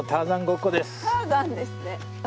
ターザンですね。